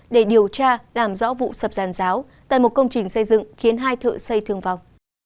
để điều tra làm rõ vụ sập giàn giáo tại một công trình xây dựng khiến hai thợ xây thương vọng